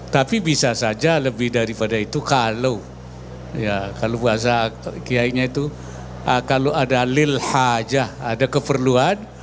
tapi bisa saja lebih daripada itu kalau bahasa kiainya itu kalau ada lil hajah ada keperluan